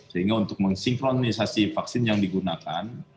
sehingga untuk mensinkronisasi vaksin yang digunakan